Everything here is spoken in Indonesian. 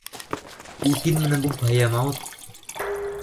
Udin menempuh bahaya maut